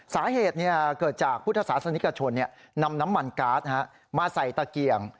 สาเหตุเกิดจากพุทธศาสนิกชนนำน้ำมันการ์ดมาใส่ตะเกียง